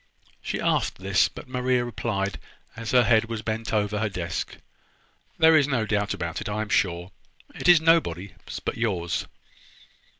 She asked this; but Maria replied, as her head was bent over her desk: "There is no doubt about it. I am sure. It is nobody's but yours."